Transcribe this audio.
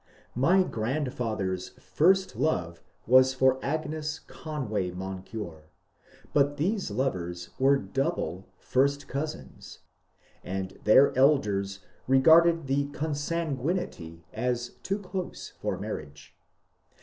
My grandfather's first love was for Agnes Conway Mon cure, but these lovers were double first cousins, and their elders regarded the consanguinity as too close for marriage.